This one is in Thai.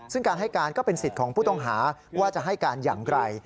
ซึ่งการให้การก็เป็นสิทธิ์ของผู้ต้องหาว่าจะให้การอย่างไร